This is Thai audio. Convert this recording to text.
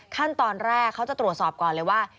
ขั้นตอนแรกเขาจะตรวจสอบก่อนเลยว่า